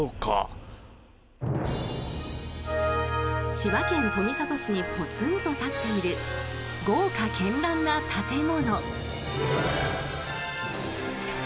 千葉県富里市にポツンと立っている豪華絢爛な建物。